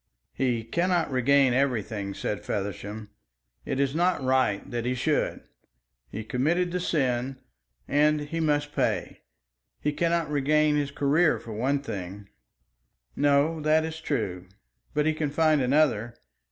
"He cannot regain everything," said Feversham. "It is not right that he should. He committed the sin, and he must pay. He cannot regain his career for one thing." "No, that is true; but he can find another.